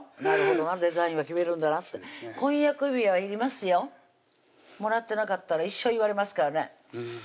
なるほどなデザインは決めるんだなって婚約指輪いりますよもらってなかったら一生言われますからね